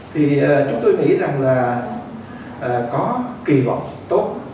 thì chúng tôi nghĩ rằng là có kỳ vọng tốt